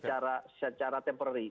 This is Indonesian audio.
dan secara temporary